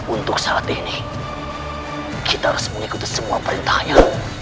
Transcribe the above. untuk saat ini kita harus mengikuti semua perintahnya